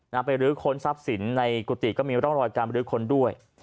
นำไปลึกคนทรัพย์ศิลป์ในกูติก็มีร่องรวดการลึกคนด้วย